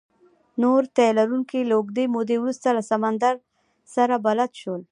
نور تي لرونکي له اوږدې مودې وروسته له سمندر سره بلد شول.